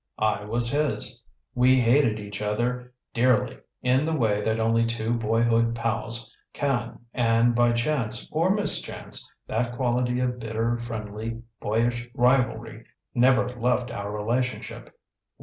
I was his. We hated each other dearly in the way that only two boyhood pals can and by chance or mischance that quality of bitter friendly, boyish rivalry never left our relationship.